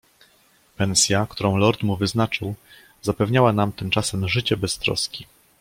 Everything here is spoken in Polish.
"Pensja, którą lord mu wyznaczył, zapewniała nam tymczasem życie bez troski."